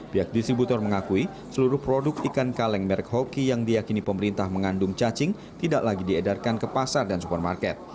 pihak distributor mengakui seluruh produk ikan kaleng merek hoki yang diakini pemerintah mengandung cacing tidak lagi diedarkan ke pasar dan supermarket